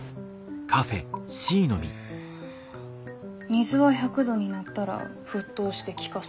水は１００度になったら沸騰して気化する。